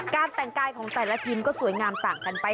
แต่งกายของแต่ละทีมก็สวยงามต่างกันไป